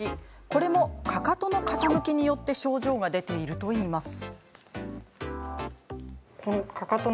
これもかかとの傾きによって症状が出ているといいます。